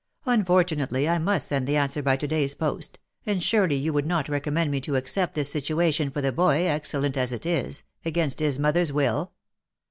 Unfortunately I must send the answer by to day's post, and surely you would not recommend me to accept this situation for the boy, excellent as it is, against his mother's will